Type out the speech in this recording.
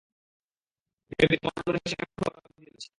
Mavis, তোমার জীবনের সেরা খবর আমি দিতে চলেছি।